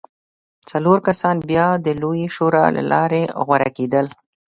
څلور کسان بیا د لویې شورا له لارې غوره کېدل